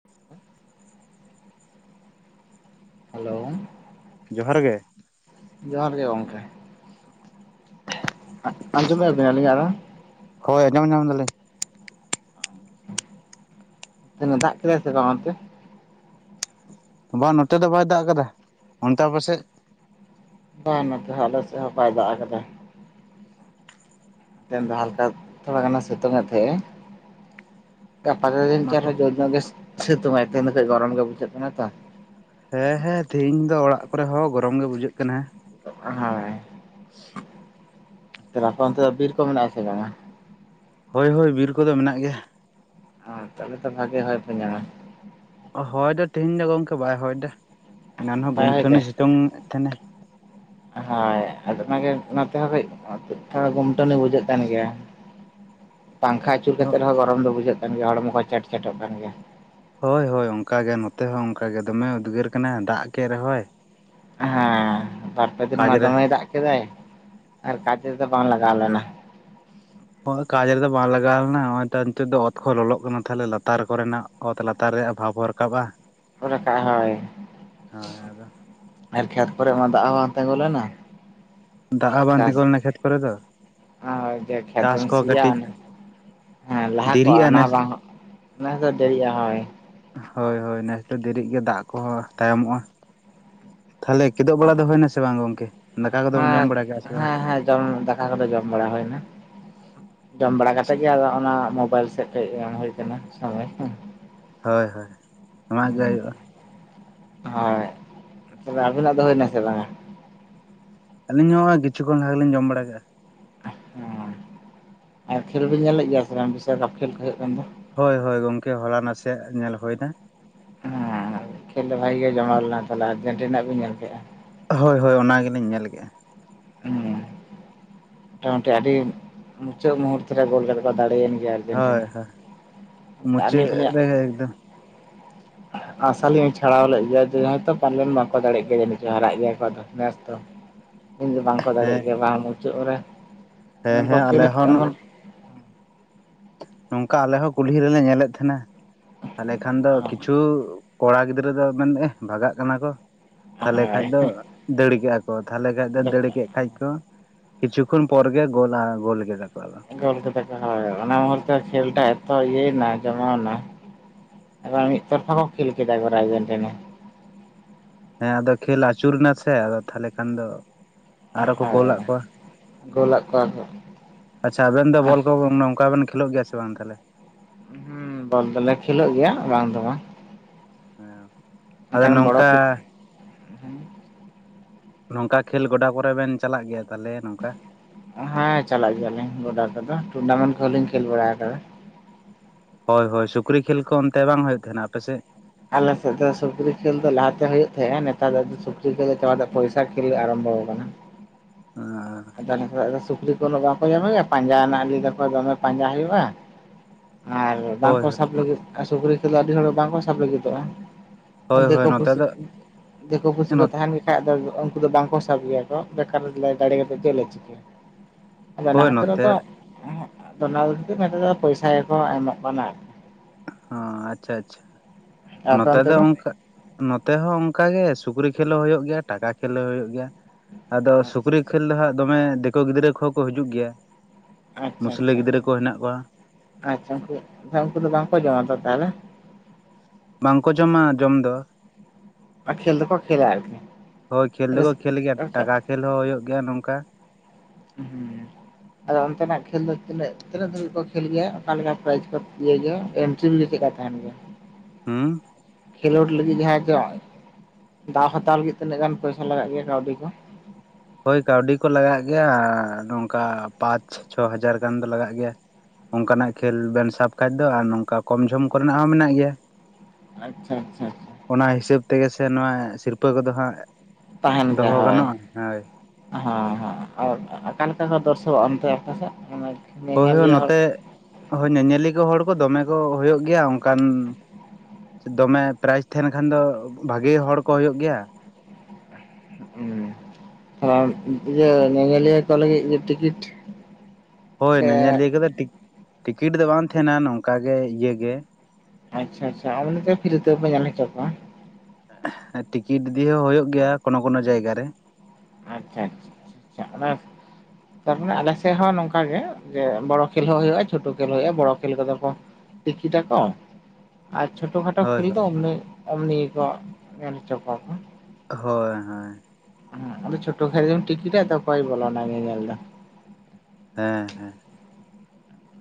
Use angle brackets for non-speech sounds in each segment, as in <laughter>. ᱦᱮ <inaudible> hello ᱡᱚᱦᱟᱨ ᱜᱮ ᱡᱚᱦᱟᱨ ᱜᱮ ᱜᱚᱢᱠᱮ, ᱟᱸᱡᱚᱢᱮᱫᱟ ᱵᱤᱱ ᱟᱹᱞᱤᱧᱟᱜ ᱨᱚᱲ᱾ ᱦᱚᱭ ᱟᱸᱚᱢ ᱧᱟᱢ ᱫᱟᱞᱤᱧ ᱾ ᱛᱮᱦᱮᱧ ᱫᱚ ᱫᱟᱜ ᱠᱮᱫᱟᱭ ᱥᱮ ᱵᱟᱝ ᱚᱱᱛᱮ? ᱵᱟᱝ ᱱᱚᱛᱮ ᱫᱚ ᱵᱟᱭ ᱫᱟᱜ ᱟᱠᱟᱫᱟ ᱚᱱᱛᱮ ᱟᱯᱮᱥᱮᱫ? ᱵᱟᱝ ᱱᱚᱛᱮ ᱟᱞᱮ ᱥᱮᱫ ᱦᱚᱸ ᱵᱟᱭ ᱫᱟᱜ ᱟᱠᱟᱫᱟ᱾ ᱛᱟᱭᱚᱢ ᱫᱚ ᱦᱟᱞᱠᱟ ᱛᱷᱚᱲᱟ ᱜᱟᱱᱮ ᱥᱤᱛᱩᱝ ᱮᱫ ᱛᱟᱦᱮᱸᱜᱼᱟ᱾ ᱜᱟᱯᱟ ᱫᱤᱱ ᱪᱦᱚᱸ ᱱᱚᱛᱮ ᱡᱚᱨ ᱧᱚᱜ ᱜᱮ ᱥᱤᱛᱩᱝ ᱟᱭ, ᱛᱮᱦᱮᱧ ᱫᱚ ᱜᱚᱨᱚᱢ ᱜᱮ ᱵᱩᱡᱷᱟᱹᱜ ᱠᱟᱱᱟ ᱛᱚ᱾ ᱦᱮᱸ ᱦᱮᱸ ᱛᱮᱤᱦᱤᱧ ᱫᱚ ᱚᱲᱟᱜ ᱠᱚᱨᱮ ᱦᱚᱸ ᱜᱚᱨᱚᱢ ᱜᱮ ᱵᱩᱡᱷᱟᱹᱜ ᱠᱟᱱᱟ ᱾ ᱦᱚᱭ ᱛᱟᱨᱯᱚᱨ <unintelligible> ᱚᱱᱛᱮ ᱫᱚ ᱵᱤᱨ ᱠᱚ ᱢᱮᱱᱟᱜ ᱟ ᱥᱮ ᱵᱟᱝᱟ ᱦᱳᱭ ᱦᱳᱭ ᱵᱤᱨ ᱠᱚᱫᱚ ᱢᱮᱱᱟᱜ ᱜᱮᱭᱟ᱾ ᱛᱟᱦᱚᱵᱮ ᱛᱚ ᱵᱷᱟᱜᱤ ᱦᱚᱭ ᱯᱮ ᱧᱟᱢᱟ᱾ ᱦᱚᱭ ᱫᱚ ᱛᱮᱦᱮᱧ ᱫᱚ ᱜᱚᱢᱠᱮ ᱵᱟᱭ ᱦᱚᱭ ᱮᱫᱟ, ᱮᱱᱟᱱ ᱦᱚᱸᱭ ᱵᱟᱭ ᱦᱚᱭ ᱜᱩᱱᱴᱷᱟᱹᱱᱤ ᱥᱤᱛᱩᱝ ᱮ ᱛᱟᱦᱮᱱᱟᱭ᱾ ᱦᱚᱭ ᱟᱫᱚ ᱚᱱᱟᱜᱮ ᱱᱛᱮᱦᱚᱸ ᱠᱟᱹᱡ ᱴᱩᱠᱴᱟᱠ ᱜᱩᱢᱴᱟᱹᱱᱤ ᱵᱩᱡᱷᱟᱹᱜ ᱠᱟᱱ ᱜᱮᱭᱟ᱾ ᱯᱟᱝᱠᱷᱟ ᱟᱹᱪᱩᱨ ᱠᱟᱛᱮᱫᱦᱚᱸ ᱜᱚᱨᱚᱢ ᱫᱚ ᱵᱩᱡᱷᱟᱹᱜ ᱠᱟᱱ ᱜᱮᱭᱟ ᱦᱚᱲᱢᱚ ᱠᱚ ᱪᱮᱴ ᱪᱮᱴᱚᱜ ᱠᱟᱱ ᱜᱮᱭᱟ᱾ ᱦᱳᱭ ᱦᱳᱭ ᱚᱱᱠᱟᱜᱮ ᱱᱚᱛᱮ ᱦᱚᱸ ᱚᱱᱠᱟ ᱜᱮ ᱫᱚᱢᱮ ᱩᱫᱽᱜᱟᱹᱨ ᱠᱟᱱᱟ ᱫᱟᱜ ᱠᱮᱫ ᱨᱮᱦᱚᱸᱭ᱾ ᱦᱮᱸ ᱵᱟᱨᱯᱮ ᱫᱤᱱ ᱠᱟᱡᱽ ᱢᱟ ᱨᱮ ᱫᱚᱢᱮᱭ ᱫᱟᱜ ᱠᱮᱫᱟᱭ, ᱟᱨ ᱠᱟᱡᱽ ᱨᱮᱫᱚ ᱵᱟᱝ ᱞᱟᱜᱟᱣ ᱞᱮᱱᱟ ᱾ ᱦᱚᱸᱜᱚᱭ ᱠᱟᱡᱽ ᱨᱮᱫᱚ ᱵᱟᱝ ᱞᱟᱜᱟᱣ ᱞᱮᱱᱟ, ᱱᱚᱜᱼᱚᱭ ᱛᱚ ᱱᱤᱛᱚᱜ ᱫᱚ ᱚᱛ ᱠᱚ ᱞᱚᱞᱚᱜ ᱠᱟᱱᱟ ᱛᱟᱦᱚᱞᱮ ᱞᱟᱛᱟᱨ ᱠᱚᱨᱮᱱᱟᱜ ᱾ ᱚᱛ ᱞᱟᱛᱟᱨ ᱨᱮᱭᱟᱜ ᱵᱷᱟᱯ ᱦᱚ ᱨᱟᱠᱟᱵᱼᱟ ᱾ ᱨᱟᱠᱟᱵ <unintelligible> ᱦᱳᱭ ᱦᱳᱭ ᱟᱫᱚ ᱟᱨ ᱠᱷᱮᱛ ᱠᱚᱨᱮ ᱢᱟ ᱫᱟᱜ ᱦᱚᱸ ᱵᱟᱝ ᱛᱤᱸᱜᱩ ᱞᱮᱱᱟ᱾ ᱫᱟᱜ ᱦᱚᱸ ᱵᱟᱝ ᱪᱟᱥ ᱛᱤᱸᱜᱩ ᱞᱮᱱᱟ ᱠᱷᱮᱛ ᱠᱚᱨᱮ ᱫᱚ <unintelligible> ᱪᱟᱥ ᱠᱷᱮᱛᱢ ᱠᱚ ᱥᱤᱭᱟ ᱠᱟᱹᱴᱤᱡ ᱦᱮᱸ ᱞᱟᱦᱟ ᱠᱚᱜᱼᱟ ᱫᱮᱨᱤᱜᱼᱟ ᱚᱱᱟ ᱱᱮᱥ ᱦᱚᱸ ᱵᱟᱝ, ᱱᱮᱥ ᱫᱚ ᱫᱮᱨᱤᱜᱼᱟ ᱦᱚᱭ ᱾ ᱦᱚᱭ ᱦᱚᱭ ᱱᱮᱥ ᱫᱚ ᱫᱮᱨᱤᱜ ᱜᱮ ᱫᱟᱜ ᱠᱚᱦᱚᱸ ᱛᱟᱭᱚᱢᱚᱜᱼᱟ, ᱛᱟᱦᱞᱮᱼᱼ ᱠᱤᱫᱩᱜ ᱵᱟᱲᱟ ᱫᱚ ᱦᱩᱭᱮᱱᱟᱥᱮ ᱵᱟᱝ ᱜᱚᱝᱠᱮ, ᱫᱟᱠᱟ ᱠᱚᱫᱚᱢ ᱡᱚᱢ ᱵᱟᱲᱟ ᱠᱮᱜᱼᱟ ᱥᱮ ᱵᱟᱝ? ᱦᱩᱸᱫᱟᱠᱟ ᱠᱚᱫᱚ ᱡᱚᱢ ᱵᱟᱲᱟ ᱦᱩᱭ ᱮᱱᱟ, ᱡᱚᱢ ᱵᱟᱲᱟ ᱠᱟᱛᱮ ᱟᱪᱪᱷᱟ ᱜᱮ ᱟᱫᱚ ᱚᱱᱟ ᱢᱳᱵᱟᱭᱤᱞ ᱥᱮᱫᱼᱼ ᱠᱟᱹᱡ ᱵᱟᱝ ᱦᱩᱭ ᱟᱠᱟᱱᱟ ᱥᱚᱢᱚᱭ <unintelligible> ᱦᱳᱭ ᱦᱳᱭ ᱮᱢᱟᱜ ᱜᱮ <unintelligible> ᱦᱩᱭᱩᱜᱼᱟ ᱦᱚᱭ ᱛᱚᱵᱮ ᱟᱵᱤᱱᱟᱜ ᱫᱚ ᱦᱩᱭᱱᱟ ᱥᱮ ᱵᱟᱝᱟ? ᱟᱹᱞᱤᱧ ᱦᱚᱜ ᱚᱭ ᱠᱤᱪᱷᱩ ᱠᱷᱚᱱ ᱞᱟᱦᱟ ᱜᱮᱞᱤᱧ ᱡᱚᱢ ᱵᱟᱲᱟ ᱠᱮᱫᱼᱟ ᱚ ᱟᱨ ᱠᱷᱮᱞ ᱵᱤᱱ ᱧᱮᱞᱮᱫ ᱜᱮᱭᱟ ᱥᱮ ᱵᱤᱥᱥᱚᱠᱟᱯ ᱠᱷᱮᱞ ᱠᱚ ᱦᱩᱭᱩᱜ ᱠᱟᱱ ᱫᱚ ᱦᱳᱭ ᱦᱳᱭ ᱜᱚᱢᱠᱮ ᱦᱚᱞᱟ ᱱᱟᱥᱮᱭᱟᱜ ᱧᱮᱞ ᱦᱳᱭᱱᱟ ᱦᱮᱸ ᱠᱷᱮᱞ ᱫᱚ ᱵᱷᱟᱜᱮ ᱜᱮ ᱡᱚᱢᱟᱣ ᱞᱮᱱᱟ ᱛᱟᱦᱞᱮ ᱟᱨᱡᱮᱱᱴᱤᱱᱟᱜ ᱟᱜ ᱵᱤᱱ ᱧᱮᱞ ᱠᱮᱫ ᱟ ᱦᱚᱭ ᱦᱚᱭ ᱚᱱᱟ ᱜᱮᱞᱤᱧ ᱧᱮᱞ ᱠᱮᱫᱼᱟ ᱾ ᱦᱮᱸ ᱢᱚᱴᱟᱢᱩᱴᱤ ᱟᱹᱰᱤ ᱢᱩᱪᱟᱹᱫ ᱢᱩᱦᱩᱨ ᱨᱮ ᱜᱳᱞ ᱠᱟᱛᱮ ᱠᱚ ᱫᱟᱲᱮᱭᱮᱱ ᱜᱮᱭᱟ ᱦᱳᱭ ᱟᱨᱡᱮᱱᱴᱤᱱᱟ ᱟᱹᱞᱤᱧ ᱫᱚᱞᱤᱧ ᱦᱮ ᱮᱠᱫᱚ ᱟᱥᱟ ᱞᱤᱧ ᱪᱷᱟᱲᱟᱣ ᱞᱮᱫ ᱜᱮᱭᱟ ᱡᱮ ᱦᱚᱭᱛᱚ ᱯᱟᱞᱮᱱ ᱵᱟᱠᱚ ᱫᱟᱲᱮᱜ ᱜᱮᱭᱟ ᱡᱤᱡᱚᱝ ᱦᱟᱨᱟᱜ ᱜᱮᱭᱟ ᱠᱚ ᱟᱫᱚ ᱱᱮᱥ ᱫᱚ ᱤᱧ ᱫᱚ ᱵᱟᱝᱠᱚ ᱫᱟᱲᱮᱭᱟᱜ ᱦᱮᱸ ᱜᱮᱭᱟ ᱵᱟᱝ ᱢᱩᱪᱟᱹᱫ ᱨᱮ <unintelligible> ᱦᱮᱸ ᱦᱮᱸ ᱟᱞᱮ ᱦᱚᱸ ᱱᱚᱝᱠᱟ ᱟᱞᱮᱦᱚᱸ ᱠᱩᱞᱦᱤ ᱨᱮᱞᱮ ᱧᱮᱞᱮᱫ ᱛᱟᱦᱮᱸᱱᱟ, ᱛᱟᱦᱞᱮ ᱠᱷᱟᱱ ᱫᱚ ᱠᱤᱪᱷᱩ ᱠᱚᱲᱟ ᱜᱤᱫᱽᱨᱟᱹ ᱫᱚ ᱢᱟᱱᱮ ᱵᱷᱟᱜᱟᱜ ᱠᱟᱱᱟ ᱠᱚ ᱛᱟᱦᱚᱞᱮ ᱦᱳᱭ ᱠᱷᱟᱱᱡ ᱫᱚ ᱫᱟᱹᱲ ᱠᱮᱜᱼᱟ ᱠᱚ ᱛᱟᱦᱚᱞᱮ ᱠᱷᱟᱡ ᱫᱚ ᱫᱟᱹᱲ ᱠᱮᱫ ᱠᱷᱟᱡ ᱠᱚ ᱠᱤᱪᱷᱩ ᱠᱷᱚᱱ ᱯᱚᱨ ᱜᱮ ᱜᱳᱞᱟ ᱜᱳᱞ ᱠᱮᱫᱟ ᱠᱚ ᱟᱫᱚ ᱾ <unintelligible> ᱠᱷᱮᱞᱴᱟᱭ ᱡᱚᱛᱚ ᱤᱭᱟᱹᱭᱱᱟ ᱡᱚᱢᱟᱣ ᱮᱱᱟ ᱮᱵᱟᱨ ᱢᱤᱫ ᱛᱚᱨᱯᱷᱟ ᱠᱚ ᱠᱷᱮᱞ ᱠᱮᱫᱟ <unintelligible> ᱦᱮᱸ ᱟᱫᱚ ᱠᱷᱮᱞ ᱟᱹᱪᱩᱨ ᱮᱱᱟ ᱥᱮ ᱟᱫᱚ ᱛᱟᱦᱞᱮ ᱠᱷᱟᱱ ᱫᱚ ᱟᱨᱚ ᱠᱚ ᱜᱳᱞ ᱦᱳᱭ ᱟᱜ ᱠᱚᱣᱟ᱾ ᱜᱳᱞᱟᱜ ᱠᱚᱣᱟ ᱠᱚ ᱟᱪᱪᱷᱟ ᱟᱵᱮᱱ ᱫᱚ ᱟᱨ ᱵᱚᱞ ᱠᱚ ᱱᱚᱝᱠᱟ ᱵᱮᱱ ᱠᱷᱹᱮᱞᱳᱜ ᱜᱮᱭᱟ ᱥᱮ ᱵᱟᱝ ᱛᱟᱦᱞᱮ? ᱦᱮᱸ ᱵᱚᱞ ᱫᱚᱞᱮ ᱠᱷᱮᱞᱚᱜ ᱜᱮᱭᱟ ᱵᱟᱝ ᱫᱚ ᱵᱟᱝ ᱾ ᱟᱫᱚ ᱵᱚᱲᱚ ᱱᱚᱝᱠᱟ ᱦᱩᱸ ᱱᱚᱝᱠᱟ ᱠᱷᱮᱞ ᱜᱚᱰᱟ ᱠᱚᱨᱮ ᱵᱮᱱ ᱪᱟᱞᱟᱜ ᱜᱮᱭᱟ ᱛᱟᱦᱚᱞᱮ ᱱᱚᱝᱠᱟ? ᱦᱮᱸ ᱪᱟᱞᱟᱜ ᱜᱮᱭᱟ ᱞᱤᱧ ᱜᱚᱰᱟ ᱠᱚᱫᱚ ᱾ ᱴᱩᱨᱱᱟᱢᱮᱱᱴ ᱠᱚᱦᱚᱸ ᱞᱤᱧ ᱠᱷᱮᱞ ᱵᱟᱲᱟ ᱟᱠᱟᱫᱟ ᱾ ᱦᱳᱭ ᱦᱳᱭ ᱥᱩᱠᱨᱤ ᱠᱷᱮᱞ ᱠᱚ ᱚᱱᱛᱮ ᱵᱟᱝ ᱦᱩᱭᱩᱜ ᱛᱟᱦᱮᱫᱟ ᱟᱯᱮᱥᱮᱫ? ᱟᱞᱮᱥᱮᱫ ᱫᱚ ᱥᱩᱠᱨᱤ ᱠᱷᱮᱞ ᱫᱚ ᱞᱟᱦᱟᱛᱮ ᱦᱩᱭᱩᱜ ᱛᱟᱦᱮᱸᱜᱼᱟ ᱱᱮᱛᱟᱨ ᱫᱚ ᱥᱩᱠᱨᱤ ᱠᱷᱮᱞ ᱫᱚ ᱪᱟᱵᱟ ᱠᱟᱛᱮ ᱯᱚᱭᱥᱟ ᱠᱷᱮᱞ ᱜᱮ ᱟᱨᱚᱢᱵᱷᱚ ᱟᱠᱟᱱᱟ᱾ <unintelligible> <unintelligible> ᱥᱩᱠᱞᱤ ᱩᱱ ᱫᱚ ᱵᱟᱠᱚ ᱧᱟᱢᱮᱭᱟ, ᱯᱟᱸᱡᱟ ᱨᱮᱱᱟᱜ ᱞᱟᱹᱭᱟᱠᱚ ᱫᱚᱢᱮ ᱯᱟᱸᱡᱟ ᱦᱩᱭᱩᱜᱼᱟ ᱟᱨ ᱦᱳᱭ ᱵᱟᱝᱠᱚ ᱥᱟᱵ ᱞᱟᱹᱜᱤᱫ ᱥᱩᱠᱨᱤ ᱠᱚᱫᱚ ᱟᱹᱰᱤ ᱦᱚᱲ ᱵᱟᱝᱠᱚ ᱥᱟᱵ ᱞᱟᱹᱜᱤᱫᱚᱜᱼᱟ ᱦᱳᱭ ᱾ ᱦᱳᱭ ᱫᱮᱤᱠᱚ ᱱᱚᱛᱮ ᱯᱩᱥᱤ, ᱫᱚ ᱫᱮᱤᱠᱚ ᱯᱩᱥᱤ ᱠᱚ ᱛᱟᱦᱮᱱ ᱵᱟᱠᱷᱟᱡ ᱫᱚ ᱩᱱᱠᱩ ᱫᱚ ᱵᱟᱝᱠᱚ ᱥᱟᱵ ᱜᱮᱭᱟ ᱠᱚ ᱵᱮᱠᱟᱨ ᱫᱟᱲᱮ ᱠᱟᱛᱮ ᱪᱮᱫ ᱞᱮ ᱪᱤᱠᱟᱹᱭᱟ? ᱟᱫᱚ ᱚᱱᱟ ᱦᱳᱭ ᱠᱷᱟᱹᱛᱤᱨ ᱱᱚᱛᱮ ᱨᱮᱫᱚ ᱚᱱᱟ ᱢᱮᱱᱛ ᱫᱚ ᱯᱚᱭᱥᱟ ᱜᱮᱠᱚ ᱮᱢᱚᱜ ᱠᱟᱱᱟ᱾ ᱚ ᱟᱪᱪᱷᱟ ᱟᱪᱪᱷᱟ ᱟᱯᱮ ᱱᱚᱛᱮ ᱚᱱᱛᱮ ᱫᱚ ᱚᱝᱠᱟᱼᱼ ᱱᱚᱛᱮ ᱦᱚᱸ ᱚᱱᱠᱟ ᱜᱮ ᱥᱩᱠᱨᱤ ᱠᱷᱮᱞᱳ ᱦᱩᱭᱩᱜ ᱜᱮᱭᱟ ᱴᱟᱠᱟ ᱠᱷᱮᱞᱳ ᱦᱩᱭᱩᱜ ᱜᱮᱭᱟ᱾ ᱟᱫᱚ ᱟᱪᱪᱷᱟ ᱥᱩᱠᱨᱤ ᱟᱪᱪᱷᱟ ᱠᱷᱮᱞ ᱫᱚ ᱦᱟᱸᱜ ᱫᱚᱢᱮ ᱫᱤᱠᱩ ᱜᱤᱫᱽᱨᱟᱹ ᱠᱚᱦᱚᱸ ᱠᱚ ᱦᱤᱡᱩᱜ ᱜᱮᱭᱟ ᱾ ᱟᱪᱪᱷᱟ ᱢᱩᱥᱞᱟᱹ ᱟᱪᱪᱷᱟ ᱜᱤᱫᱽᱨᱟᱹ ᱟᱪᱪᱷᱟ ᱠᱚ ᱦᱮᱱᱟᱜ ᱠᱚᱣᱟ? ᱟᱪᱪᱷᱟ ᱩᱱᱠᱩ, ᱩᱱᱠᱩ ᱫᱚ ᱵᱟᱝᱠᱚ ᱡᱚᱢᱟ ᱛᱚ ᱛᱟᱦᱚᱞᱮ? ᱵᱟᱝᱠᱚ ᱡᱚᱢᱟ ᱡᱚᱢ ᱫᱚᱼᱼ ᱠᱷᱮᱞ ᱫᱚᱠᱚ ᱠᱷᱮᱞᱟ ᱟᱨᱠᱤ ᱦᱳᱭ ᱠᱷᱮᱞ ᱫᱚᱠᱚ ᱠᱷᱮᱞ ᱜᱮᱭᱟ ᱟᱪᱪᱷᱟ ᱴᱟᱠᱟ ᱠᱷᱮᱞ ᱦᱚᱸ ᱦᱩᱭᱩᱜ ᱜᱮᱭᱟ ᱱᱚᱝᱠᱟ᱾ <inaudible> ᱟᱫᱚ ᱚᱱᱛᱮᱱᱟᱜ ᱠᱷᱮᱞ ᱫᱚ ᱛᱤᱱᱟᱹᱜ ᱛᱤᱱᱟᱹᱜ ᱫᱟᱹᱵᱤᱡ ᱠᱚ ᱠᱷᱮᱞ ᱜᱮᱭᱟ? ᱚᱠᱟ ᱞᱮᱠᱟᱱ ᱯᱨᱟᱭᱤᱡᱽ ᱠᱚ ᱤᱭᱟᱹ ᱜᱮᱭᱟ? <unintelligible> ᱦᱮᱸ, ᱠᱷᱮᱞᱳᱰ ᱞᱟᱹᱜᱤᱫ ᱡᱟᱦᱟᱸᱭ ᱠᱚ ᱫᱟᱣ ᱦᱟᱛᱟᱣ ᱞᱟᱹᱜᱤᱫ ᱛᱤᱱᱟᱹᱜ ᱜᱟᱱ ᱯᱚᱭᱥᱟ ᱞᱟᱜᱟᱜ ᱜᱮᱭᱟ ᱠᱟᱹᱣᱰᱤ ᱠᱚ? ᱦᱳᱭ ᱠᱟᱹᱣᱰᱤ ᱠᱚ ᱞᱟᱜᱟᱜ ᱜᱮᱭᱟ ᱱᱚᱝᱠᱟ ᱯᱟᱸᱪ ᱪᱷᱚ ᱦᱟᱡᱟᱨ ᱜᱟᱱ ᱫᱚ ᱞᱟᱜᱟᱜ ᱜᱮᱭᱟ᱾ ᱚᱱᱠᱟᱱᱟᱜ ᱠᱷᱮᱞ ᱵᱮᱱ ᱥᱟᱵ ᱠᱷᱟᱡ ᱫᱚ ᱟᱨ ᱱᱚᱝᱠᱟ ᱠᱚᱢ ᱡᱷᱚᱢ ᱠᱚᱨᱮᱱᱟᱜ ᱦᱚᱸ ᱢᱮᱱᱟᱜ ᱜᱮᱭᱟ, ᱟᱪᱪᱷᱟ ᱟᱪᱪᱷᱟ ᱟᱪᱷᱟ ᱚᱱᱟ ᱦᱤᱥᱟᱹᱵ ᱛᱮᱜ ᱥᱮ ᱱᱚᱣᱟ ᱥᱤᱨᱯᱟᱹ ᱠᱚᱫᱚ ᱦᱟᱸᱜ ᱛᱟᱦᱮᱱ ᱜᱮᱭᱟ ᱫᱚᱦᱚ ᱦᱳᱭ ᱜᱟᱱᱚᱜᱼᱟ, ᱦᱚᱭ ᱾ ᱦᱮᱸ ᱦᱮᱸ ᱚᱠᱟᱞᱮᱠᱟ ᱠᱚ ᱫᱚᱨᱥᱚᱜ-ᱟ ᱟᱯᱮ ᱥᱮᱫ? ᱦᱚᱭ ᱧᱮᱧᱮᱞᱤᱭᱟᱹ ᱦᱚᱲ ᱱᱚᱛᱮ, ᱠᱚ ᱦᱚᱭ ᱧᱮᱧᱮᱞᱤ ᱠᱚ ᱦᱚᱲ ᱠᱚ ᱫᱚᱢᱮ ᱠᱚ ᱦᱩᱭᱩᱜ ᱜᱮᱭᱟ ᱚᱱᱠᱟᱱ ᱫᱚᱢᱮ ᱯᱨᱟᱭᱤᱡᱽ ᱛᱟᱦᱮᱸᱱ ᱠᱷᱟᱱ ᱫᱚ ᱵᱷᱟᱜᱮ ᱦᱚᱲ ᱠᱚ ᱦᱩᱭᱩᱜ ᱜᱮᱭᱟ, ᱦᱩᱸ ᱟᱨ ᱤᱭᱟᱹ ᱧᱮᱧᱮᱞ ᱤᱭᱟᱹ ᱠᱚ ᱞᱟᱹᱜᱤᱜ ᱴᱤᱠᱤᱴ ᱦᱳᱭ ᱥᱮ ᱧᱮᱧᱮᱞ ᱤᱭᱟᱹ ᱠᱚ ᱴᱤᱠᱤᱴ ᱫᱚ ᱵᱟᱝ ᱛᱟᱦᱮᱸᱱᱟ ᱱᱚᱝᱠᱟ ᱜᱮ ᱤᱭᱟᱹ ᱜᱮᱼᱼ ᱟᱪᱪᱷᱟ ᱟᱪᱪᱷᱟ ᱚᱱᱛᱮ ᱯᱷᱤᱨᱤ ᱛᱮᱠᱚᱯᱮ ᱧᱮᱞ ᱦᱚᱪᱚ ᱠᱚᱣᱟ? ᱴᱤᱠᱤᱴ ᱫᱤᱭᱚ ᱦᱚᱸ ᱦᱩᱭᱩᱜ ᱜᱮᱭᱟ ᱠᱚᱱᱚ ᱠᱚᱱᱚ ᱡᱟᱭᱜᱟ ᱨᱮ ᱾ ᱟᱪᱪᱷᱟ ᱟᱪᱪᱷᱟ ᱪᱷᱟ ᱛᱟᱨᱢᱟᱱᱮ ᱟᱞᱮ ᱥᱮᱫ ᱦᱚᱸ ᱱᱚᱝᱠᱟ ᱜᱮ ᱡᱮ ᱵᱚᱲᱚ ᱠᱷᱮᱞ ᱦᱚᱸ ᱦᱩᱭᱩᱜᱼᱟ ᱪᱷᱳᱴᱳ ᱠᱷᱮᱞ ᱦᱩᱭᱩᱜᱼᱟ ᱵᱚᱲᱚ ᱠᱷᱮᱞ ᱠᱚᱫᱚ ᱠᱚᱼᱼ ᱴᱤᱠᱤᱴᱟᱠᱚ? ᱟᱨ ᱪᱷᱚᱴᱚ ᱠᱷᱟᱴᱚ ᱦᱳᱭ ᱠᱷᱮᱞ ᱫᱚ ᱦᱳᱭ ᱚᱢᱱᱤ ᱚᱢᱱᱤ ᱜᱮᱠᱚ ᱧᱮᱞ ᱦᱚᱪᱚ ᱠᱚᱣᱟ ᱠᱚ ᱦᱳᱭ ᱦᱳᱭ ᱟᱫᱚ ᱪᱷᱴᱳ <unintelligible> ᱴᱤᱴᱟ ᱛᱚ ᱚᱭ ᱵᱚᱞᱚᱱᱟᱭ ᱧᱮᱧᱮᱞ ᱫᱚ ᱦᱮᱸ ᱦᱮᱸ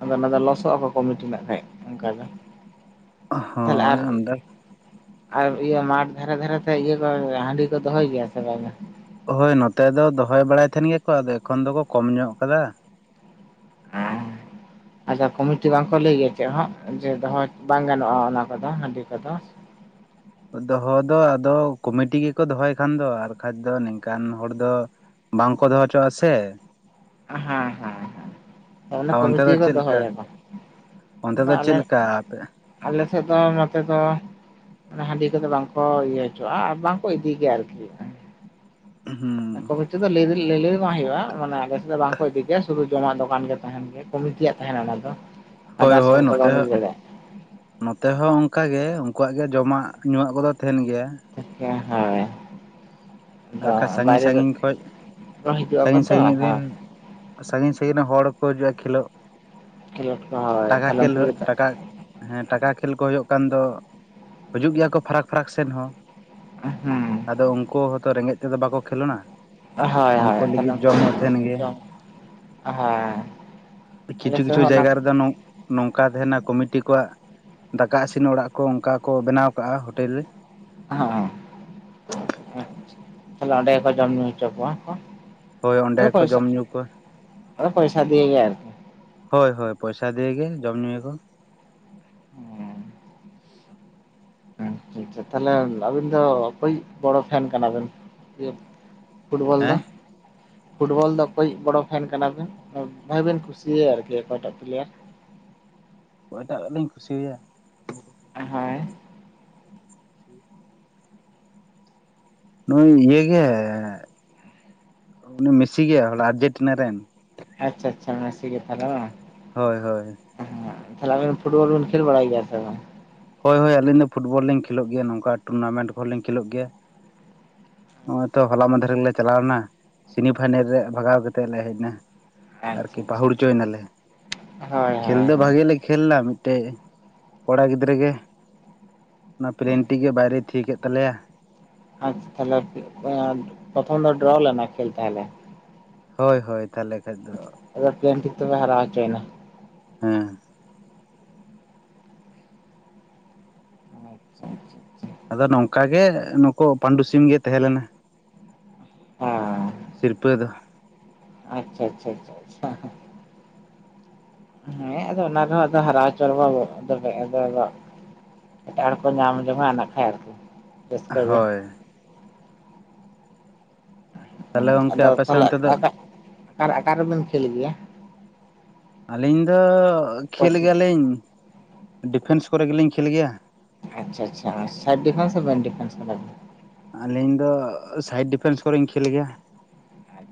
ᱟᱫᱚ ᱚᱱᱟ ᱫᱚ ᱞᱚᱥᱚᱜᱼᱟ ᱠᱚ ᱠᱚᱢᱤᱴᱤ ᱱᱟᱜ ᱠᱷᱟᱡ ᱚᱱᱠᱟ ᱫᱚ ᱛᱟᱦᱚᱞᱮ ᱦᱚᱭ ᱟᱨ ᱟᱢᱫᱟ ᱟᱨ ᱤᱭᱟᱹ ᱢᱟᱴ ᱫᱷᱟᱨᱮ ᱫᱷᱟᱨᱮᱛᱮ ᱤᱭᱟᱹ ᱠᱚ ᱦᱟᱺᱰᱤ ᱠᱚ ᱫᱚᱦᱚᱭ ᱜᱮᱭᱟ ᱥᱮ ᱵᱟᱝ ᱟ ᱦᱳᱭ ᱱᱚᱛᱮ ᱫᱚ ᱫᱚᱦᱚᱭ ᱵᱟᱲᱟᱭ ᱛᱟᱦᱮᱱ ᱜᱮᱭᱟᱠᱚ ᱟᱫᱚ ᱮᱠᱷᱚᱱ ᱫᱚᱠᱚ ᱠᱚᱢ ᱧᱚᱜ ᱠᱟᱫᱟ <inaudible> ᱟᱪᱷᱟ ᱠᱚᱢᱤᱴᱤ ᱵᱟᱝᱠᱚ ᱞᱟᱹᱭ ᱜᱮᱭᱟ ᱪᱮᱫ ᱦᱚᱸ ᱡᱮ ᱫᱚᱦᱚ ᱵᱟᱝ ᱜᱟᱱᱚᱜᱼᱟ ᱚᱱᱟ ᱠᱚᱫᱚ ᱦᱟᱺᱰᱤ ᱠᱚᱫᱚ ᱫᱚᱦᱚ ᱫᱚ ᱟᱫᱚ ᱠᱚᱢᱤᱴᱤ ᱜᱮᱠᱚ ᱫᱚᱦᱚᱭ ᱠᱷᱟᱱ ᱫᱚ ᱟᱨᱠᱷᱟᱡ ᱫᱚ ᱱᱤᱝᱠᱟᱱ ᱦᱚᱲ ᱫᱚ ᱵᱟᱝᱠᱚ ᱫᱚᱦᱚ ᱦᱚᱪᱚᱣᱟᱜᱼᱟ ᱥᱮ ᱦᱮᱸ ᱦᱮᱸ ᱦᱮᱸ ᱛᱟᱦᱞᱮ ᱟᱨ ᱚᱱᱛᱮ ᱠᱚᱢᱤᱴᱤ ᱫᱚ ᱜᱮᱠᱚ ᱪᱮᱫ ᱞᱮᱠᱟ ᱫᱚᱦᱚᱭᱟᱠᱚ ᱚᱱᱛᱮ ᱵᱟ ᱫᱚ ᱟᱞᱮ ᱪᱮᱫ ᱞᱮᱠᱟ ᱟᱯᱮ ᱟᱞᱮ ᱥᱮᱫ ᱫᱚ ᱱᱚᱛᱮ ᱫᱚ ᱚᱱᱟ ᱦᱟᱺᱰᱤ ᱠᱚᱫᱚ ᱵᱟᱝᱠᱚ ᱤᱭᱟᱹ ᱦᱚᱪᱚᱣᱟᱜᱼᱟ ᱟᱨ ᱵᱟᱝᱠᱚ ᱤᱫᱤ ᱜᱮᱭᱟ ᱟᱨᱠᱤ ᱦᱩᱸ ᱠᱚᱢᱤᱴᱤ ᱫᱚ ᱞᱟ. ᱭ ᱞᱟᱹᱞᱟ. ᱭ ᱫᱚ ᱵᱟᱝ ᱦᱩᱭᱩᱜᱼᱟ ᱢᱟᱱᱮ ᱟᱞᱮᱥᱮ ᱫᱚ ᱵᱟᱝᱠᱚ ᱤᱫᱤ ᱜᱮᱭᱟ ᱥᱩ ᱡᱚᱢᱟᱜ ᱫᱚᱠᱟᱱ ᱜᱮ ᱛᱟᱦᱮᱱ ᱜᱮ ᱠᱚᱢᱤᱴᱤᱭᱟᱜ ᱛᱟᱦᱮᱱ‌ ᱜᱮᱭᱟ ᱚᱱᱟ ᱫᱚ ᱦᱳᱭ ᱟᱫᱟᱨᱥ ᱦᱳᱭ ᱦᱚᱲ ᱫᱚ ᱱᱚᱛᱮ ᱵᱟᱢ ᱤᱫᱤ ᱦᱟᱸ ᱱᱚᱛᱮ ᱦᱚᱸ ᱚᱱᱠᱟ ᱜᱮ ᱩᱱᱠᱩᱣᱟᱜ ᱜᱮ ᱡᱚᱢᱟᱜ ᱧᱩᱣᱟᱜ ᱠᱚᱫᱚ ᱛᱟᱦᱮᱱ ᱜᱮᱭᱟ ᱮᱠᱮ ᱦᱚᱭ ᱟᱨ ᱵᱟᱠᱷᱟᱡ ᱥᱟᱺᱜᱤᱧ ᱥᱟᱺᱜᱤᱧ ᱠᱷᱚᱡ ᱠᱚ ᱦᱤᱡᱩᱜ ᱟᱠᱚ ᱥᱟᱺᱜᱤᱧ ᱛᱚ ᱥᱟᱺᱜᱤᱧ ᱦᱳᱭ ᱨᱮᱱ ᱥᱟᱺᱜᱤᱧ ᱥᱟᱺᱜᱤᱧ ᱨᱮᱱ ᱦᱚᱲᱠᱚ ᱦᱤᱡᱩᱜᱼᱟ ᱠᱷᱮᱞᱳᱚᱜ ᱠᱷᱮᱞᱳᱰ ᱠᱚ ᱦᱳᱭ ᱴᱟᱠᱟ ᱛᱟᱦᱞᱮ ᱠᱷᱮᱞ ᱩᱱᱠᱩ ᱦᱩᱭᱩᱜ ᱞᱟᱹᱜᱤᱫ ᱫᱚ ᱴᱟᱠᱟ ᱦᱮᱸ ᱴᱟᱠᱟ ᱠᱷᱮᱞ ᱠᱚ ᱦᱩᱭᱩᱜ ᱠᱟᱱ ᱫᱚ ᱦᱤᱡᱩᱜ ᱜᱮᱭᱟ ᱠᱚ ᱯᱷᱟᱨᱟᱠ ᱯᱷᱟᱨᱟᱠ ᱥᱮᱱ ᱦᱚᱸ ᱦᱮᱸ ᱟᱫᱚ ᱩᱱᱠᱩ ᱦᱚᱭᱛᱚ ᱨᱮᱸᱜᱮᱡ ᱛᱮᱫᱚ ᱵᱟᱠᱚ ᱠᱷᱮᱞᱳᱱᱟ ᱦᱚᱭ ᱦᱚᱭ ᱛᱟᱦᱞᱮ ᱞᱟᱹᱜᱤᱫ ᱩᱱᱠᱩ ᱡᱚᱢ ᱦᱚᱸ ᱛᱟᱦᱮᱱ <inaudible> ᱜᱮᱭᱟ ᱡᱚᱢ ᱦᱚᱭ ᱠᱤᱪᱷᱩ ᱠᱤᱪᱷᱩ ᱡᱟᱭᱜᱟ ᱨᱮᱫᱚ ᱱᱚ ᱱᱚᱝᱠᱟ ᱛᱟᱦᱮᱱᱟ ᱠᱚᱢᱤᱴᱤ ᱠᱚᱣᱟᱜ ᱫᱟᱠᱟ ᱤᱥᱤᱱ ᱚᱲᱟᱜ ᱠᱚ ᱚᱱᱠᱟ ᱠᱚ ᱵᱮᱱᱟᱣ ᱠᱟᱜᱼᱟ ᱦᱳᱴᱮᱞ ᱨᱮ ᱦᱮᱸ ᱛᱟᱦᱞᱮ ᱚᱸᱰᱮ ᱜᱮᱠᱚ ᱡᱚᱢ ᱧᱩ ᱦᱚᱪᱚ ᱠᱚᱣᱟ ᱠᱚ ᱦᱳᱭ ᱟᱫᱚ ᱚᱸᱰᱮ ᱠᱚ ᱯᱚᱭᱥᱟ ᱡᱚᱢ ᱧᱩ ᱠᱚ ᱟᱫᱚ ᱯᱚᱭᱥᱟ ᱫᱤᱭᱮᱜᱮ ᱟᱨᱠᱤ ᱦᱳᱭ ᱦᱳᱭ ᱯᱚᱭᱥᱟ ᱫᱤᱭᱮᱜᱮ ᱡᱚᱢ ᱧᱩᱭᱟ ᱠᱚ ᱟᱪᱷᱟ ᱪᱷᱟ ᱛᱟᱦᱞᱮ ᱟᱵᱤᱱ ᱫᱚ ᱚᱠᱚᱭᱤᱡ ᱵᱚᱲᱚ ᱯᱷᱮᱱ ᱠᱟᱱᱟᱵᱮᱱ ᱯᱷᱩᱴᱵᱚᱞ ᱫᱚ ᱦᱮᱸ ᱯᱷᱩᱴᱵᱚᱞ ᱫᱚ ᱚᱠᱭᱮᱡ ᱵᱚᱲᱚ ᱯᱷᱮᱱ ᱠᱟᱱᱟᱵᱤᱱ ᱵᱷᱟᱜᱵᱤᱱ ᱠᱩᱥᱤᱭᱟᱭᱟ ᱟᱨᱠᱤ ᱚᱠᱟᱭᱴᱟᱜ ᱯᱞᱮᱭᱟᱨ ᱚᱠᱚᱭᱴᱟᱜ ᱞᱤᱧ ᱠᱩᱥᱤ ᱟᱭᱟ ᱦᱮ ᱱᱩᱭ ᱤᱭᱟᱹ ᱜᱮ ᱢᱮᱥᱤ ᱜᱮ ᱦᱚᱞᱟ ᱟᱨᱡᱮᱱᱴᱤᱱᱟ ᱨᱮᱱ ᱟᱪᱪᱷᱟ ᱟᱪᱪᱷᱟ ᱢᱮᱥᱤ ᱜᱮ ᱛᱟᱦᱞᱮ ᱵᱟᱝ ᱦᱳᱭ ᱦᱳᱭ ᱦᱮ ᱛᱟᱞᱦᱮ ᱟᱵᱤᱱ ᱯᱷᱩᱴᱵᱚᱞ ᱵᱤᱱ ᱠᱷᱮᱞ ᱵᱟᱲᱟᱭ ᱜᱮᱭᱟ ᱥᱮ ᱵᱟᱝ ᱦᱳᱭ ᱦᱳᱭ ᱟᱹᱞᱤᱧ ᱫᱚ ᱯᱷᱩᱴᱚᱞ ᱞᱤᱧ ᱠᱷᱮᱞᱳᱜ ᱜᱮᱭᱟ ᱱᱝᱠᱟ ᱴᱩᱨᱱᱟᱢᱮᱱᱴ ᱠᱚᱦᱚᱞᱤᱧ ᱠᱷᱮᱞᱳᱜ ᱜᱮᱭᱟ ᱦᱚᱜ ᱚᱭ ᱛᱚ ᱦᱚᱞᱟ ᱢᱟᱫᱷᱮᱨ ᱜᱮᱞᱮ ᱪᱟᱞᱟᱣ ᱞᱮᱱᱟ ᱥᱮᱱᱤ ᱯᱷᱟᱭᱱᱮᱞ ᱨᱮ ᱵᱷᱟᱜᱟᱣ ᱠᱟᱛᱮᱫ ᱞᱮ ᱦᱮᱡ ᱱᱟ ᱟᱪᱪᱷᱟ ᱟᱨᱠᱤ ᱟᱪᱪᱷᱟ ᱯᱟᱹᱦᱩᱲ ᱪᱚᱭ ᱟᱪᱪᱷᱟ ᱱᱟᱞᱮ ᱦᱳᱭ ᱠᱷᱮᱞ ᱦᱳᱭ ᱫᱚ ᱦᱳᱭ ᱵᱷᱟᱜᱮ ᱞᱮ ᱠᱷᱮᱞ ᱱᱟ ᱢᱤᱫᱴᱮᱡ ᱠᱚᱲᱟ ᱜᱤᱫᱽᱨᱟᱹ ᱜᱮ ᱚᱱᱟ ᱯᱮᱞᱮᱱᱴᱤ ᱜᱮ ᱵᱟᱭᱨᱮᱭ ᱛᱷᱤᱭᱟ ᱠᱮᱫ ᱛᱟᱞᱮᱭᱟ ᱟᱪᱷᱟ ᱛᱟᱦᱚᱞᱮ ᱮ ᱯᱨᱚᱛᱷᱚᱢ ᱫᱚ ᱰᱨᱚ ᱞᱮᱱᱟ ᱠᱷᱮᱞ ᱛᱟᱦᱚᱞᱮ ᱦᱳᱭ ᱦᱳᱭ ᱛᱟᱦᱚᱞᱮ ᱠᱷᱟᱡ ᱫᱚ ᱮᱠᱫᱚᱢ ᱯᱮᱞᱮᱱ ᱴᱷᱤᱠ ᱛᱮᱯᱮ ᱦᱟᱨᱟᱭ ᱦᱚᱪᱚᱭᱱᱟ ᱦᱮᱸ ᱟᱪᱪᱷᱟ ᱟᱪᱪᱷᱟ ᱟᱪᱪᱷᱟ ᱟᱫᱚ ᱱᱚᱝᱠᱟ ᱜᱮ ᱱᱩᱠᱩ ᱯᱟᱱᱰᱩ ᱥᱤᱢ ᱜᱮ ᱛᱟᱦᱮᱸ ᱞᱮᱱᱟ ᱦᱮᱸ ᱥᱤᱨᱯᱟᱹ ᱫᱚ ᱟᱪᱪᱷᱟ ᱟᱪᱪᱷᱟ ᱟᱪᱪᱷᱟ ᱟ ᱦᱮᱸ ᱟᱫᱚ ᱚᱱᱟ ᱨᱮᱦᱚ ᱟᱫᱚ ᱦᱟᱨᱟᱣ ᱪᱚ ᱨᱮᱦᱚ <unintelligible> ᱮᱴᱟᱜ ᱦᱚᱲ ᱠᱚ ᱧᱟᱢ ᱡᱚᱝᱟ ᱱᱟᱜᱠᱷᱟᱡ ᱟᱨᱠᱤ ᱨᱟᱹᱥᱠᱟᱹ ᱜᱮ ᱦᱳᱭ ᱛᱟᱦᱚᱞᱮ ᱦᱮᱸ ᱜᱚᱝᱠᱮ ᱟᱫᱚ ᱟᱯᱮ ᱥᱮᱫ ᱛᱟᱞᱦᱮ ᱚᱱᱛᱮ ᱫᱚ ᱟᱠᱟ ᱟᱠᱟ ᱨᱮᱵᱤᱱ ᱠᱷᱮᱞ ᱜᱮᱭᱟ ᱟᱹᱞᱤᱧ ᱫᱚ ᱠᱷᱮᱞ ᱠᱳᱪᱤᱝ ᱜᱮᱭᱟᱞᱤᱧ ᱰᱤᱯᱷᱮᱱᱥ ᱠᱚᱨᱮ ᱜᱮᱞᱤᱧ ᱠᱷᱮᱞ ᱜᱮᱭᱟ ᱟᱪᱪᱷᱟ ᱟᱪᱪᱷᱟ ᱥᱟᱵ ᱰᱤᱯᱷᱮᱱᱥ ᱥᱮ ᱢᱮᱱ ᱰᱤᱯᱷᱮᱱᱥ ᱠᱟᱱᱟ ᱵᱤᱱ ᱟᱹᱞᱤᱧ ᱫᱚ ᱥᱟᱭᱤᱰ ᱰᱤᱯᱷᱮᱱᱥ ᱠᱚᱨᱮᱧ ᱠᱷᱮᱞ ᱜᱮᱭᱟ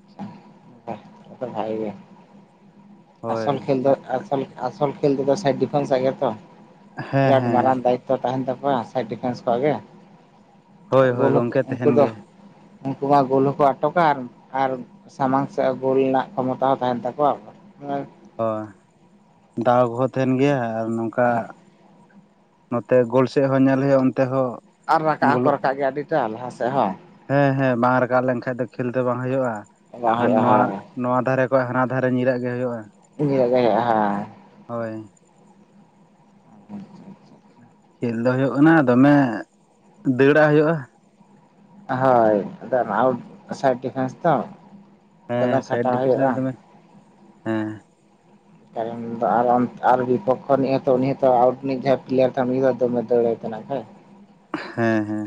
ᱵᱟᱜᱷ ᱛᱟᱞᱦᱮ ᱛᱚ ᱵᱷᱟᱜᱮ ᱜᱮ ᱦᱳᱭ ᱟᱥᱚᱞ ᱠᱷᱮᱞ ᱫᱚ ᱟᱥᱚᱞ ᱠᱷᱮᱞ ᱛᱮᱫᱚ ᱥᱟᱭᱤᱰ ᱰᱤᱯᱷᱮᱱᱥ ᱟ ᱜᱮᱛᱚ ᱦᱮᱸ ᱵᱤᱨᱟᱴ ᱦᱮᱸ ᱢᱟᱨᱟᱝ ᱫᱟᱭᱤ ᱛᱚ ᱛᱟᱦᱮᱱ ᱛᱟᱠᱚᱣᱟ ᱥᱟᱭᱤᱰ ᱰᱤᱯᱷᱮᱱᱥ ᱠᱚᱣᱟᱜ ᱜᱮ ᱦᱳᱭ ᱦᱳᱭ ᱜᱳᱞ ᱜᱚᱝᱠᱮ ᱩᱱᱠᱩ ᱛᱟᱦᱮᱱ ᱫᱚ ᱜᱮ ᱩᱱᱠᱩ ᱢᱟ ᱜᱳᱞ ᱦᱚᱠᱚ ᱟᱴᱚᱠᱟ ᱟᱨ ᱟᱨ ᱥᱟᱢᱟᱝ ᱥᱮᱫ ᱜᱳᱞ ᱨᱮᱱᱟᱜ ᱠᱷᱚᱢᱚᱛᱟ ᱦᱚᱸ ᱛᱟᱦᱮᱱ ᱛᱟᱠᱚᱣᱟ ᱦᱳᱭ ᱫᱟᱣ ᱠᱚᱦᱚᱸ ᱛᱟᱦᱮᱱ ᱜᱮᱭᱟ ᱟᱨ ᱱᱚᱝᱠᱟ ᱱᱚᱛᱮ ᱜᱳᱞᱥᱮᱡ ᱦᱚᱸ ᱧᱮᱞ ᱦᱳᱭᱳᱜᱼᱟ ᱚᱱᱛᱮ ᱦᱚᱸ ᱟᱨ ᱨᱟᱠᱟᱵ ᱦᱚᱸᱠᱚ ᱜᱳᱞᱳᱜ ᱨᱟᱠᱟᱵ ᱜᱮᱭᱟ ᱟᱹᱰᱤᱴᱟ ᱞᱟᱦᱟ ᱥᱮᱫ ᱦᱚᱸ ᱦᱮᱸ ᱦᱮᱸ ᱵᱟᱝ ᱨᱟᱠᱟᱵ ᱞᱮᱱᱠᱷᱟᱡ ᱫᱚ ᱠᱷᱮᱞ ᱫᱚ ᱵᱟᱝ ᱦᱩᱭᱩᱜᱼᱟ ᱵᱟᱝ ᱟᱨ ᱦᱩᱭᱩᱜᱼᱟ ᱱᱚᱣᱟ ᱦᱳᱭ ᱱᱚᱣᱟ ᱫᱷᱟᱨᱮ ᱠᱷᱚᱡ ᱦᱟᱱᱟ ᱫᱷᱟᱨᱮ ᱧᱤᱨᱟᱜ ᱜᱮ ᱦᱳᱭᱳᱜᱼᱟ ᱧᱩᱣᱟᱜ ᱜᱮ ᱦᱳᱭᱳᱜ ᱟ ᱦᱮᱸ ᱦᱳᱭ ᱚ ᱟᱪᱷᱟ ᱟᱪᱪᱷᱟ ᱟᱪᱷᱟ ᱠᱷᱮᱞ ᱫᱚ ᱦᱳᱭᱤᱜ ᱠᱟᱱᱟ ᱫᱚᱢᱮ ᱫᱟᱹᱲᱟᱜ ᱦᱩᱭᱩᱜᱼᱟ ᱦᱚᱭ ᱟᱫᱚ ᱥᱟᱭᱤᱰ ᱰᱤᱯᱷᱮᱱᱥ ᱛᱚ ᱫᱚᱢᱮ ᱦᱮᱸ ᱥᱟᱭᱤᱰ ᱠᱷᱟᱴᱟᱣ ᱰᱤᱯᱷᱮᱱᱥ ᱨᱮ ᱦᱩᱭᱩᱜᱼᱟ ᱫᱚᱢᱮ ᱦᱮᱸ ᱠᱟᱨᱚᱱ ᱫᱚ ᱟᱨ ᱵᱤᱯᱚᱠᱠᱷᱚ ᱨᱤᱱᱤᱜ ᱦᱚ ᱛᱚ ᱟᱣᱩᱴ ᱨᱤᱱᱤᱡ ᱡᱟᱦᱟᱸᱭ ᱯᱞᱮᱭᱟᱨ ᱛᱟᱦᱮᱱ ᱩᱱᱤ ᱫᱚ ᱫᱚᱢᱮ ᱫᱟᱹᱲᱟᱭ ᱛᱚ ᱱᱟᱜ ᱠᱷᱟᱡ ᱦᱮᱸ ᱦᱮᱸ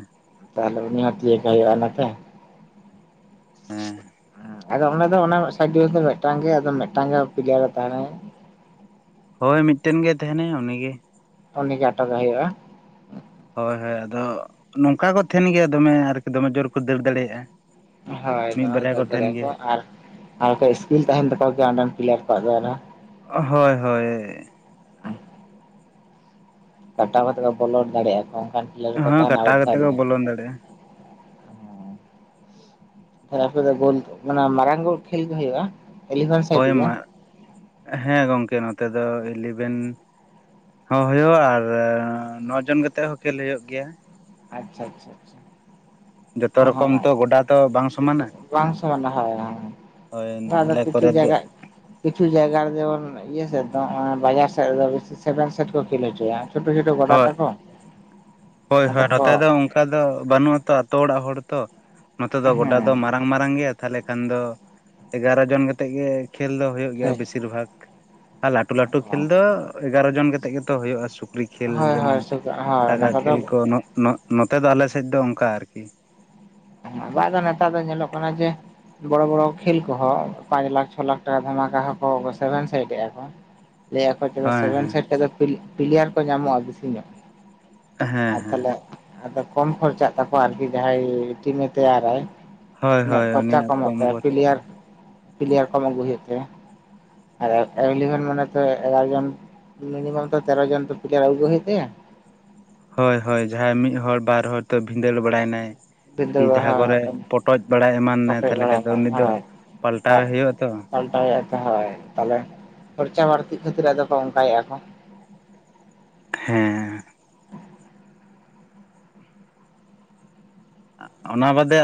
ᱛᱟᱦᱚᱞᱮ ᱩᱱᱤ ᱦᱚᱸ ᱛᱤᱭᱟ. ᱜᱮ ᱦᱩᱭᱩᱜᱼᱟ ᱱᱟᱛᱮ ᱦᱮᱸ ᱟᱫᱚ ᱚᱱᱟ ᱫᱚ ᱚᱱᱟ ᱥᱟᱭᱤᱰ ᱰᱤᱯᱷᱮᱱᱥ ᱢᱤᱫᱴᱟᱝ ᱜᱮ ᱟᱫᱚ ᱢᱤᱫᱴᱟᱝ ᱯᱞᱮᱭᱟᱨ ᱮ ᱛᱟᱦᱮᱱᱟ ᱦᱳᱭ ᱢᱤᱫᱴᱮᱱ ᱜᱮᱭ ᱛᱟᱦᱮᱱᱟᱭ ᱩᱱᱤᱜᱮ ᱩᱱᱤ ᱜᱮ ᱟᱴᱚᱠᱮ ᱦᱩᱭᱩᱜᱼᱟ ᱦᱚᱭ ᱦᱚᱭ ᱟᱫᱚ ᱱᱚᱝᱠᱟ ᱠᱚ ᱛᱟᱦᱮᱱ ᱜᱮᱭᱟ ᱫᱚᱢᱮ ᱟᱨᱠᱤ ᱫᱚᱢᱮ ᱡᱳᱨ ᱠᱚ ᱫᱟᱹᱲ ᱫᱟᱲᱮᱭᱟᱜᱼᱟ ᱦᱳᱭ ᱢᱤᱫ ᱫᱚᱢᱮ ᱵᱟᱨᱭᱟ ᱠᱚ ᱫᱟᱹᱲ ᱛᱟᱦᱮᱱ ᱫᱟᱲᱮᱭᱟᱠᱚ ᱜᱮᱭᱟ ᱟᱨ ᱟᱨᱠᱚ ᱤᱥᱠᱤᱞ ᱛᱟᱦᱮᱱ ᱛᱟᱠᱚ ᱜᱮᱭᱟ ᱚᱸᱰᱮᱱ ᱯᱞᱮᱭᱟᱨ ᱠᱚᱣᱟᱜ ᱫᱚ ᱟᱨᱦᱚ ᱦᱚᱭ ᱦᱚᱭ ᱠᱟᱴᱟᱣ ᱠᱟᱛᱮ ᱠᱚ ᱵᱚᱞᱚ ᱫᱟᱲᱮᱭᱟᱜᱼᱟ ᱠᱚ ᱚᱱᱠᱟᱱ ᱯᱞᱮᱭᱟᱨ ᱠᱚ ᱦᱳᱭ ᱛᱟᱦᱮᱱᱟ ᱠᱟᱴᱟᱣ ᱟᱣᱩᱴ ᱠᱟᱛᱮ ᱫᱷᱟᱨᱮ ᱠᱚ ᱨᱮ ᱦᱮᱸ ᱵᱚᱞᱚᱱ ᱫᱟᱲᱮᱭᱟᱜᱼᱟ ᱛᱟᱞᱦᱮ ᱟᱯᱮ ᱫᱚ ᱜᱳᱞ ᱚᱱᱟ ᱢᱟᱱᱮ ᱢᱟᱨᱟᱝ ᱜᱳᱞ ᱠᱷᱮᱞ ᱜᱮ ᱦᱩᱭᱩᱜᱼᱟ ᱤᱞᱤᱵᱷᱮᱱ ᱦᱳᱭ ᱥᱟᱭᱤᱰ ᱜᱮ? ᱢᱟ ᱦᱮᱸ ᱜᱚᱝᱠᱮ ᱱᱚᱛᱮ ᱫᱚ ᱤᱞᱤᱵᱷᱮᱱ ᱦᱚᱸ ᱦᱳᱭᱳ ᱟ ᱟᱨ ᱱᱚ ᱡᱚᱱ ᱠᱟᱛᱮᱜ ᱦᱚᱸ ᱠᱷᱮᱞ ᱦᱩᱭᱩᱜ ᱜᱮᱭᱟ ᱟᱪᱪᱷᱟ - ᱟᱪᱪᱷᱟ-ᱟᱪᱪᱷᱟ-ᱟᱪᱪᱷᱟ ᱡᱚᱛᱚ ᱨᱚᱠᱚᱢ ᱚᱸᱦᱚᱸᱜ ᱛᱚ ᱜᱚᱰᱟ ᱛᱚ ᱵᱟᱝ ᱵᱚᱵ ᱥᱚᱢᱟᱱᱟ ᱵᱟᱝ ᱥᱟᱶ ᱞᱟᱦᱟᱣ ᱟ ᱦᱳᱭ ᱾ ᱡᱟᱸᱦᱟᱸ ᱫᱚ ᱟᱞᱮ ᱠᱤᱪᱷᱩ ᱠᱚᱨᱮ ᱫᱚ ᱡᱟᱭᱜᱟᱜ ᱾ ᱠᱤᱪᱷᱩ ᱡᱟᱭᱜᱟ ᱟᱨ ᱡᱮᱢᱚᱱ ᱤᱭᱟ, ᱥᱮᱫ ᱫᱚ ᱵᱟᱡᱟᱨ ᱥᱮᱫ ᱨᱮᱫᱚ ᱵᱤᱥᱤ ᱥᱮᱵᱷᱮᱱ ᱥᱮᱴ ᱠᱚ ᱠᱷᱮᱞ ᱦᱚᱪᱚᱭᱟ ᱾ ᱪᱷᱳᱴᱳ ᱪᱷᱳᱴᱳ ᱜᱚᱳᱰᱟ ᱦᱳᱭ ᱛᱟᱠᱚ ᱦᱳᱭ ᱟᱫᱚ ᱠᱚ ᱱᱚᱛᱮ ᱫᱚ ᱚᱱᱠᱟ ᱫᱚ ᱵᱟᱹᱱᱩᱜ ᱟᱛᱚ ᱟᱛᱳ ᱚᱲᱟᱜ ᱦᱚᱲ ᱛᱚ ᱱᱚᱛᱮ ᱫᱚ ᱜᱰᱟ ᱫᱚ ᱦᱮᱸ ᱢᱟᱨᱟᱝ ᱢᱟᱨᱟᱝ ᱱᱚ ᱱᱚᱛᱮ ᱫᱚ ᱜᱚᱰᱟ ᱫᱚ ᱢᱟᱨᱟᱝ ᱢᱟᱨᱟᱝ ᱜᱮᱭᱟ ᱛᱟᱦᱚᱞᱮ ᱠᱷᱟᱱ ᱫᱚ ᱮᱜᱟᱨᱚ ᱡᱚᱱ ᱠᱟᱛᱮᱜ ᱜᱮ ᱠᱷᱮᱞ ᱫᱚ ᱦᱳᱭᱳᱜ ᱵᱤᱥᱤᱨ ᱵᱷᱟᱜᱽ ᱟᱨ ᱞᱟᱹᱴᱩ ᱞᱟ, ᱴᱩ ᱠᱷᱮᱞ ᱫᱚ ᱮᱜᱟᱨᱚ ᱡᱚᱱ ᱠᱟᱛᱮ ᱜᱮᱛᱚ ᱦᱩᱭᱩᱜᱼᱟ ᱥᱩᱠᱨᱤ ᱾ ᱠᱷᱮᱞ ᱦᱳᱭ ᱡᱮᱢᱚᱱ ᱦᱳᱭ ᱦᱳᱭ ᱚᱱᱟ ᱴᱟᱠᱟ ᱠᱷᱮᱞ ᱠᱚᱫᱚ ᱠᱚ ᱱᱚᱜ-ᱱᱚᱜ ᱱᱚᱛᱮ ᱫᱚ ᱟᱞᱮᱥᱮᱫ ᱫᱚ ᱚᱱᱠᱟ ᱟᱨᱠᱤ ᱾ ᱟᱵᱚᱣᱟᱜ ᱫᱚ ᱱᱮᱛᱟᱨ ᱫᱚ ᱧᱮᱞᱚᱜ ᱠᱟᱱᱟ ᱡᱮ ᱹᱹᱹ ᱵᱚᱲᱚ ᱵᱚᱲᱚ ᱠᱷᱮᱞ ᱠᱚᱦᱚᱸ ᱯᱟᱸᱪ ᱞᱟᱠᱷ ᱪᱷᱚ ᱞᱟᱠᱷ ᱴᱟᱠᱟ ᱫᱷᱟᱢᱟᱠᱟ ᱦᱚᱸ ᱠᱚ ᱥᱮᱵᱷᱮᱱ ᱥᱟᱭᱤᱰ ᱮᱜᱼᱟ ᱠᱚ ᱾ ᱞᱟᱹᱭ ᱟᱠᱚ ᱪᱮᱫ ᱦᱳᱭ ᱥᱮᱵᱷᱮᱱ ᱦᱮᱸ ᱥᱟᱭᱤᱰ ᱛᱮᱫᱚ ᱯᱤᱞ-ᱯᱤᱞ ᱯᱤᱞᱤᱭᱟᱨ ᱠᱚ ᱧᱟᱢᱚᱜᱼᱟ ᱵᱤᱥᱤ ᱧᱚᱜ ᱾ ᱟᱨ ᱦᱮᱸ ᱦᱮᱸ ᱛᱟᱦᱞᱮ ᱟᱫᱚ ᱠᱚᱢ ᱠᱷᱚᱨᱪᱟᱜ ᱛᱟᱠᱚᱣᱟ ᱟᱨᱠᱤ ᱡᱟᱦᱟᱸᱭ ᱴᱤᱢᱮ ᱛᱮᱭᱟᱨᱟᱭ ᱾ ᱦᱳᱭ ᱩᱱᱤᱟᱜ ᱦᱳᱭ ᱠᱷᱚᱨᱪᱟ ᱩᱱᱤᱭᱟᱜ ᱠᱚᱢᱚᱜ ᱠᱚᱢ ᱛᱟᱭᱟ ᱜᱚᱫ ᱮᱫ ᱯᱤᱞᱤᱭᱟᱨ ᱛᱟᱭ -ᱯᱤᱞᱤᱭᱟᱨ ᱠᱚᱢ ᱟᱹᱜᱩᱭ ᱦᱩᱭᱩᱜ ᱛᱟᱭᱟ ᱾ ᱟᱨ ᱮᱞᱤᱵᱷᱮᱱ ᱢᱟᱱᱮ ᱛᱚ ᱮᱜᱟᱨᱚ ᱡᱚᱱ ᱾ ᱢᱤᱱᱤᱢᱟᱢ ᱛᱚ ᱛᱮᱨᱚ ᱡᱚᱱ ᱛᱚ ᱯᱤᱞᱤᱭᱟᱨ ᱟᱜᱩ ᱜᱮ ᱦᱳᱭᱳᱜ ᱛᱟᱭᱟ ᱾ ᱦᱳᱭ ᱦᱳᱭ, ᱡᱟᱦᱟᱸᱭ ᱢᱤᱫ ᱦᱚᱲ ᱵᱟᱨ ᱦᱚᱲ ᱛᱚ ᱵᱷᱤᱸᱫᱟᱹᱲ ᱵᱟᱲᱟᱭᱱᱟᱭ ᱾ ᱠᱤ ᱵᱤᱫᱟᱹᱞ ᱡᱟᱦᱟᱸ ᱠᱚᱨᱮ ᱯᱚᱴᱚᱡ ᱵᱟᱲᱟᱭ ᱮᱢᱟᱱᱱᱟᱭ ᱠᱚᱴᱮᱡ ᱛᱟᱦᱚᱞᱮ ᱵᱟᱲᱟᱭ ᱠᱷᱟᱱ ᱫᱚ ᱩᱱᱤ ᱫᱚ ᱯᱟᱞᱴᱟᱣᱮ ᱦᱳᱭᱳᱜ ᱟᱛᱚ ᱾ ᱯᱟᱞᱴᱟᱣ ᱮᱫᱭᱟ ᱦᱳᱭ, ᱛᱟᱦᱚᱞᱮ ᱠᱷᱚᱨᱪᱟ ᱵᱟᱹᱲᱛᱤᱜ ᱠᱷᱟᱹᱛᱤᱨ ᱟᱫᱚ ᱠᱚ ᱚᱱᱠᱟᱭᱮᱫ ᱟᱚᱠ ᱾ ᱦᱮᱸᱹᱹᱹᱹ ᱾ ᱚᱸᱜ ᱚᱱᱟ ᱵᱟᱪᱮ ᱟᱨ ᱾